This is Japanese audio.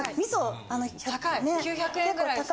９００円ぐらいする。